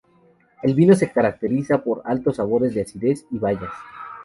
El vino se caracteriza por altos sabores de acidez y bayas.